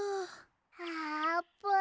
あーぷん。